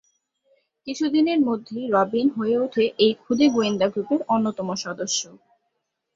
কিছুদিনের মধ্যেই রবিন হয়ে ওঠে এই ক্ষুদে গোয়েন্দা গ্রুপের অন্যতম সদস্য।